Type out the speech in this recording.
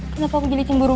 kenapa aku jadi cimburung